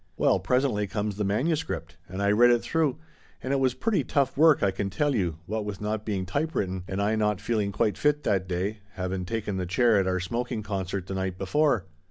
" Well, presently comes the MSS., and I read it through, and it was pretty tough work, I can tell you, what with not being type written, and I not feeling quite fit that day, havin' taken the chair at our smoking concert the night before.